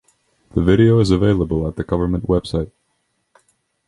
The video is available at the government website.